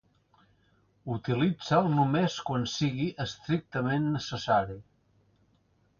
Utilitza'l només quan sigui estrictament necessari.